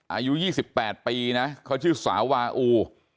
อายุ๒๘ปีนะเขาชื่อสาววาอู